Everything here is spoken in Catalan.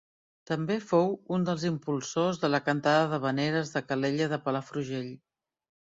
També fou un dels impulsors de la cantada d'havaneres de Calella de Palafrugell.